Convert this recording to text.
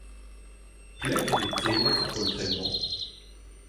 Pelec'h eo bet tennet ar poltred-mañ ?